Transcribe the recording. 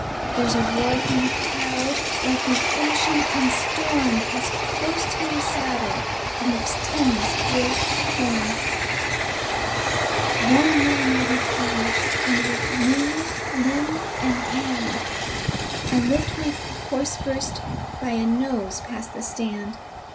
There's a roar from the crowd like the ocean in storm As close to my saddle leaps Tenny's great form: One more mighty plunge, and with knee, limb, and hand, I lift my horse first by a nose past the stand.